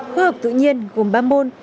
khoa học tự nhiên gồm ba môn